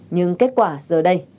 nhưng kết quả giờ đây